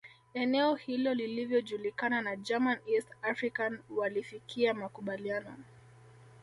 Eneo hilo lilivyojulikana na German East Africa walifikia makubaliano